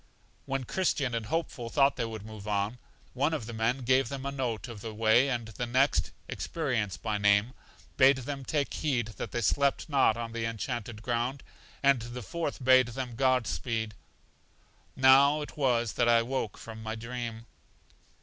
When Christian and Hopeful thought they would move on, one of the men gave them a note of the way, and the next (Experience by name) bade them take heed that they slept not on The Enchanted Ground, and the fourth bade them God Speed. Now it was that I woke from my dream.